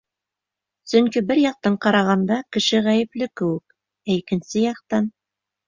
Сөнки бер яҡтан ҡарағанда, кеше ғәйепле кеүек, ә икенсе яҡтан...